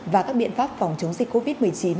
và các biện pháp phòng chống dịch covid một mươi chín